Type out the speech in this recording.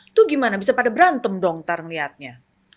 itu gimana bisa pada berantem dong ntar ngelihatnya